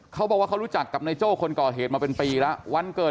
เขาบอกว่าเขารู้จักกับนายโจ้คนก่อเหตุมาเป็นปีแล้ววันเกิด